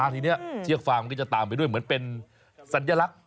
ทีนี้เชือกฟางมันก็จะตามไปด้วยเหมือนเป็นสัญลักษณ์